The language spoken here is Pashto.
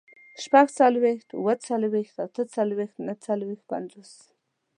شپږڅلوېښت، اووه څلوېښت، اته څلوېښت، نهه څلوېښت، پينځوس